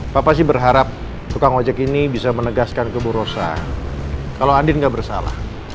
papa sih berharap tukang ojek ini bisa menegaskan kebu rosa kalau andin gak bersalah